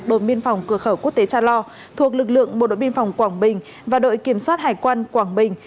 đồn biên phòng cửa khẩu quốc tế cha lo thuộc lực lượng bộ đội biên phòng quảng bình và đội kiểm soát hải quan quảng bình